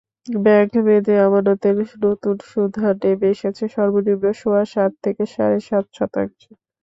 ব্যাংকভেদে আমানতের নতুন সুদহার নেমে এসেছে সর্বনিম্ন সোয়া সাত থেকে সাড়ে সাত শতাংশে।